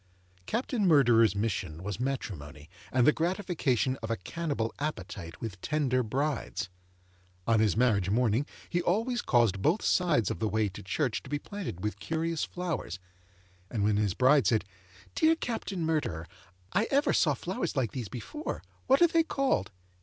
Captain Murderer's mission was matrimony, and the gratification of a cannibal appetite with tender brides. On his marriage morning, he always caused both sides of the way to church to be planted with curious flowers; and when his bride said, 'Dear Captain Murderer, I ever saw flowers like these before: what are they called?